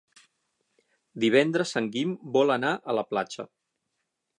Divendres en Guim vol anar a la platja.